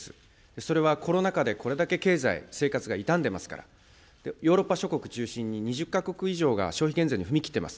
それはコロナ禍で、これだけ経済、生活が痛んでますから、ヨーロッパ諸国中心に２０か国以上が消費減税に踏み切っています。